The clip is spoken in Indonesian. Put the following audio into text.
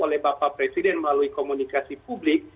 oleh bapak presiden melalui komunikasi publik